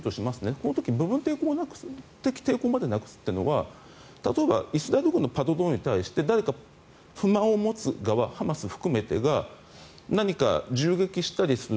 この時部分的抵抗までなくすというのは例えばイスラエル軍のパトロンに対して誰か不満を持つ側ハマスを含めてが何か銃撃したりする。